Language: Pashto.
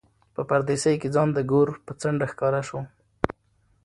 په پردېسۍ کې ځان د ګور په څنډه ښکاره شو.